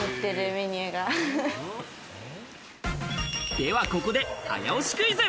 ではここで早押しクイズ！